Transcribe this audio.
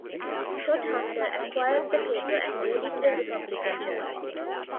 Todhunter acquired the paper and made it a Republican journal.